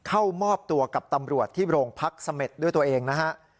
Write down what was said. เข้ามอบตัวกับตำรวจที่โรงพักเสม็ดด้วยตัวเองนะฮะ